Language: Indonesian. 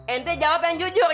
ente jawab yang jujur